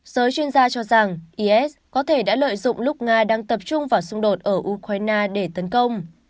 giới chuyên gia cho rằng is có thể đã lợi dụng lúc nga đang tập trung vào xung đột ở ukraine để tấn công